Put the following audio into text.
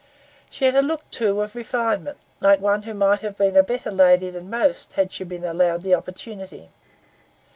She had a look, too, of refinement, like one who might have been a better lady than most, had she been allowed the opportunity.